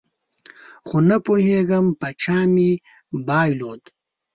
خو نپوهېږم په چا مې بایلود